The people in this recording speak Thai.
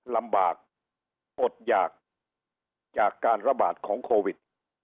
ลำบากอดหยากจากการระบาดของโควิด